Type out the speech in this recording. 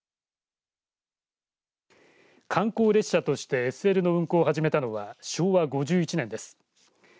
観光列車としてＳＬの運行を始めたのは昭和５１年です。